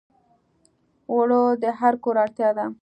اوړه د هر کور اړتیا ده